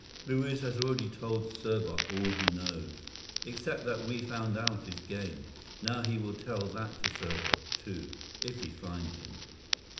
Luiz has already told Serbot all he knows." "Except that we found out his game. Now he will tell that to Serbot, too—if he finds him."